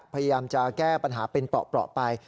พยายามจะแก้ปัญหาเป็นเปราะไป